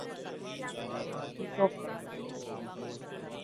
ابھی تو فیصلے